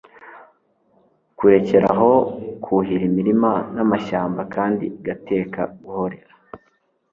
kurekeraho kuhira imirima n’amashyamba, kandi igategeka guhorera